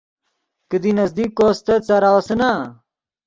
کیدی نزدیک کو استت سارو آسے نا۔